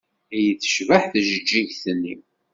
I tecbeḥ tjeǧǧigt-nni!